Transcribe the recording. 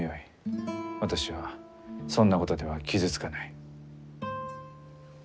私はそんなことでは傷つかない。